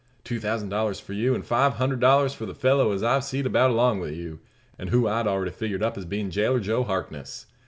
Two thousand dollars for you, an' five hundred dollars for the fellow as I've seed about along wi' you, and who I'd already figured up as bein' jailer Joe Harkness.